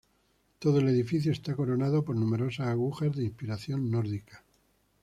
Todo el edificio está coronado por numerosas agujas, de inspiración nórdica.